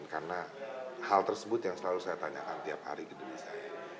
karena hal tersebut yang selalu saya tanyakan tiap hari di gedung saya